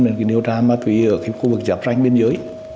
đến điều tra ma túy ở khu vực giảm ranh biên giới